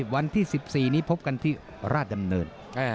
วันที่๑๔นี้พบกันที่ราชดำเนิน